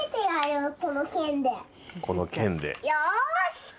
よし。